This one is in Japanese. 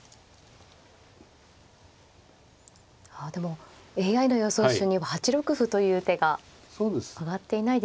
あでもＡＩの予想手には８六歩という手が挙がっていないですね。